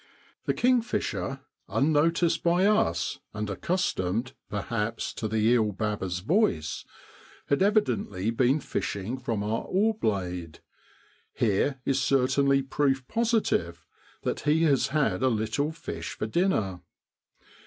The kingfisher, unnoticed by us and accustomed, perhaps, to the eel babber's voice, had evidently been fishing from our oar blade: here is certainly proof positive that he has had a little fish for dinner.